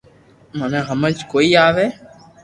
منو ھمج ڪوئي آوي